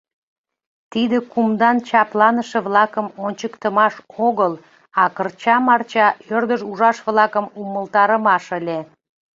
Тиде кумдан чапланыше-влакым ончыктымаш огыл, а кырча-марча ӧрдыж ужаш-влакым умылтарымаш ыле.